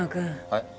はい？